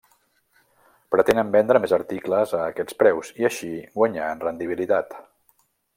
Pretenen vendre més articles a aquests preus i així guanyar en rendibilitat.